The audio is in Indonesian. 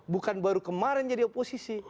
bukan baru kemarin jadi oposisi